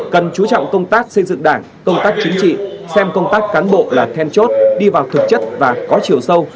cần chú trọng công tác xây dựng đảng công tác chính trị xem công tác cán bộ là then chốt đi vào thực chất và có chiều sâu